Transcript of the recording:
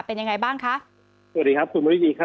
เป็นยังไงบ้างคะสวัสดีครับคุณมริวีครับ